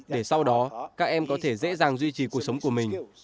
để sau đó các em có thể dễ dàng duy trì cuộc sống của mình